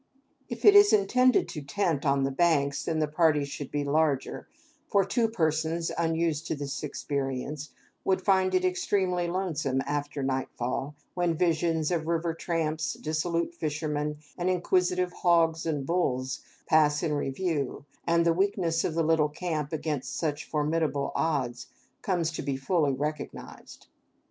If it is intended to tent on the banks, then the party should be larger; for two persons unused to this experience would find it exceedingly lonesome after nightfall, when visions of river tramps, dissolute fishermen, and inquisitive hogs and bulls, pass in review, and the weakness of the little camp against such formidable odds comes to be fully recognized.